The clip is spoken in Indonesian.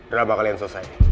dan abah kalian selesai